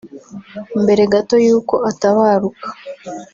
Mbere gato y’uko atabaruka